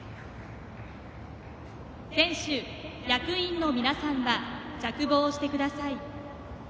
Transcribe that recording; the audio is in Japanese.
選手、役員の皆さんは着帽してください。